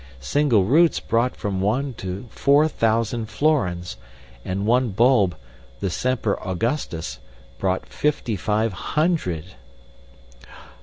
Single roots brought from one to four thousand florins; and one bulb, the Semper Augustus, brought fifty five hundred."